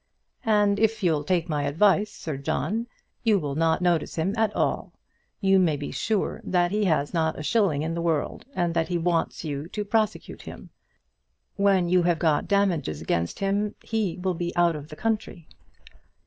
"And if you'll take my advice, Sir John, you will not notice him at all. You may be sure that he has not a shilling in the world, and that he wants you to prosecute him. When you have got damages against him, he will be off out of the country."